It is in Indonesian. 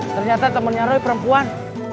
ternyata temennya roy perempuan